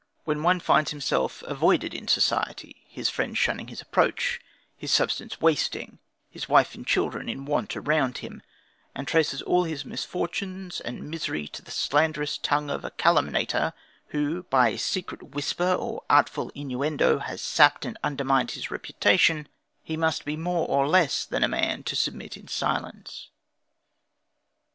When one finds himself avoided in society, his friends shunning his approach, his substance wasting, his wife and children in want around him, and traces all his misfortunes and misery to the slanderous tongue of the calumniator, who, by secret whisper or artful innuendo, has sapped and undermined his reputation, he must be more or less than man to submit in silence.